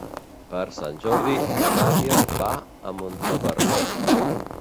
Per Sant Jordi na Nàdia va a Montaverner.